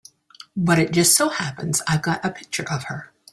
But it just so happens I've got a picture of her.